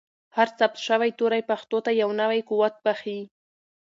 هر ثبت شوی توری پښتو ته یو نوی قوت بښي.